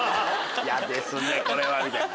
「嫌ですねこれは」みたいな。